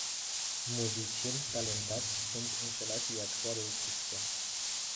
Muzicieni talentați sunt înșelați de actualul sistem.